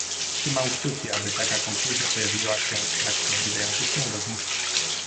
Trzymam kciuki, aby taka konkluzja pojawiła się w trakcie zbliżających się rozmów